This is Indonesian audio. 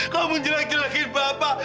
kamu nyerang ngerangin bapak